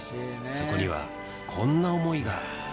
そこにはこんな思いが